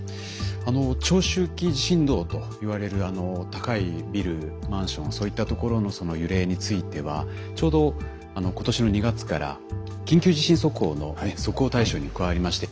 あの長周期地震動といわれる高いビルマンションそういったところの揺れについてはちょうど今年の２月から緊急地震速報の速報対象に加わりまして。